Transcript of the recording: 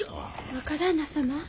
若旦那様？